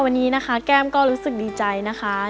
วันนี้นะคะแก้มก็รู้สึกดีใจนะคะ